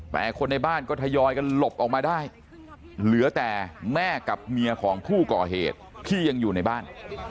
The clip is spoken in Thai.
แต่คนในบ้านก็ทยอยกันหลบออกมาได้เหลือแต่แม่กับเมียของผู้ก่อเหตุที่ยังอยู่ในบ้าน